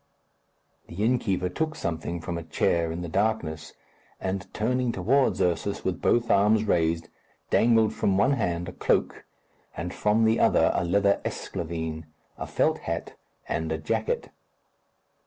The innkeeper took something from a chair in the darkness, and turning towards Ursus with both arms raised, dangled from one hand a cloak, and from the other a leather esclavine, a felt hat, and a jacket.